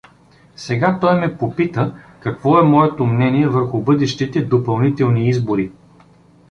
Сега той ме попита какво е моето мнение върху бъдащите допълнителни избори.